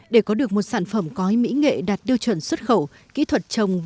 để có được một sản phẩm cói mỹ nghệ đạt điều chuẩn xuất khẩu